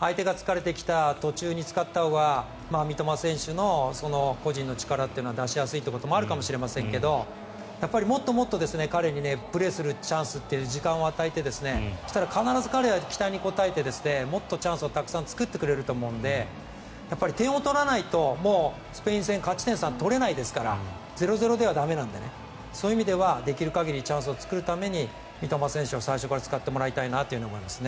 相手が疲れてきた途中に使ったほうが三笘選手の個人の力は出しやすいということがあるかもしれませんがもっともっと彼にプレーするチャンスというか時間を与えて必ず彼は期待に応えてもっとチャンスをたくさん作ってくれると思うので点を取らないとスペイン戦勝ち点３を取れないですから０−０では駄目なのでそういう意味ではできる限りチャンスを作るために三笘選手を最初から使ってもらいたいなと思います。